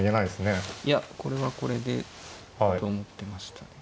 いやこれはこれでと思ってましたね。